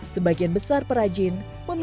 sebagian besar perajin memilih untuk menenuni